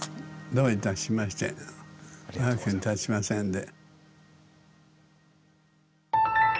どういたしましてお役に立ちませんで。